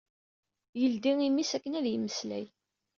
Yeldi imi-s akken ad yemmeslay.